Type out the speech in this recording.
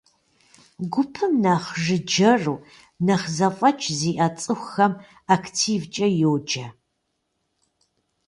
Гупым нэхъ жыджэру, нэхъ зэфӏэкӏ зиӏэ цӏыхухэм активкӏэ йоджэ.